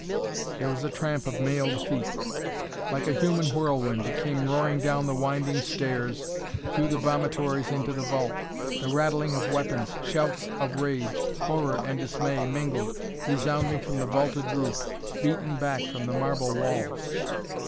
There was a tramp of mailed feet. Like a human whirlwind it came roaring down the winding stairs, through the vomitories into the vault. The rattling of weapons, shouts of rage, horror and dismay mingled, resounding from the vaulted roof, beaten back from the marble walls.